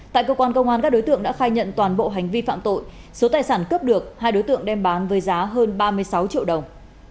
tại cơ quan công an các đối tượng đã khai nhận toàn bộ hành vi phạm tội số tài sản cướp được hai đối tượng đem bán với giá hơn ba mươi sáu triệu đồng